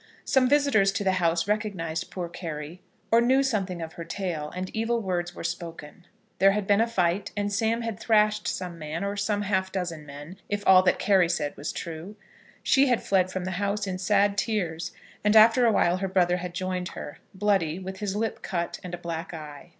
Some visitors to the house recognised poor Carry, or knew something of her tale, and evil words were spoken. There had been a fight and Sam had thrashed some man, or some half dozen men, if all that Carry said was true. She had fled from the house in sad tears, and after a while her brother had joined her, bloody, with his lip cut and a black eye.